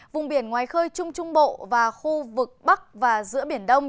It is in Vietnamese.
vùng biển ngoài khơi trung trung bộ và khu vực bắc và giữa biển đông